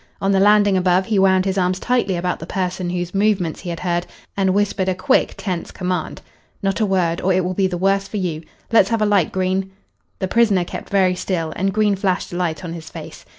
On the landing above he wound his arms tightly about the person whose movements he had heard and whispered a quick, tense command. "Not a word, or it will be the worse for you. Let's have a light, Green." The prisoner kept very still, and Green flashed a light on his face.